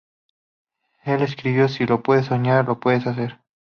Él escribió: "Si lo puedes soñar, lo puedes hacer!".